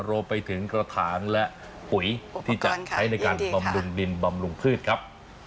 รวมไปถึงกระถางและปุ๋ยที่จะใช้ในการบำรุงดินบำรุงพืชครับ